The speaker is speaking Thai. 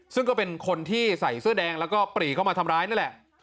ซึ่งก็เป็นคนที่ใส่เสื้อแดงแล้วก็ปรีเข้ามาทำร้ายนั่นแหละ